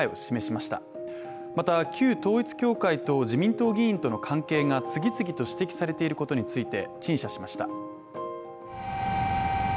また、旧統一教会と自民党議員との関係が次々と指摘されていることについて陳謝しました。